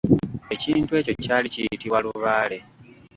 Ekintu ekyo kyali kiyitibwa lubaale.